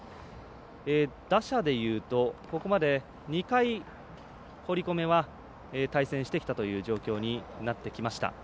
打者でいうとここまで２回、堀米は対戦してきたという状況になってきました。